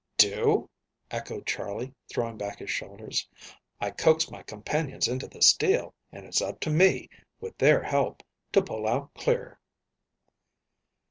"Do?" echoed Charley, throwing back his shoulders. "I coaxed my companions into this deal, and it's up to me, with their help, to pull out clear."